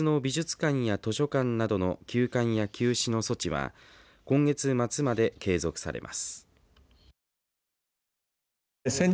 また、県立の美術館や図書館などの休館や休止の措置は今月末まで継続されます。